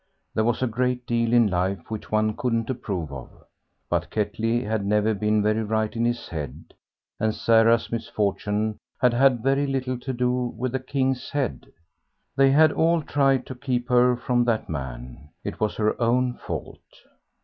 There was a great deal in life which one couldn't approve of. But Ketley had never been very right in his head, and Sarah's misfortune had had very little to do with the "King's Head." They had all tried to keep her from that man; it was her own fault.